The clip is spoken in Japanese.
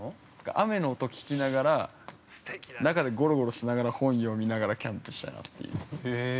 ◆雨の音聞きながら、中でごろごろしながら本読みながらキャンプしたいなという。